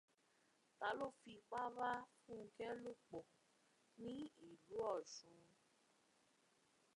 Ta ló fipá bá Fúnkẹ́ lò pọ̀ ní ìlú Ọ̀ṣun?